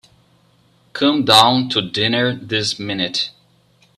Come down to dinner this minute.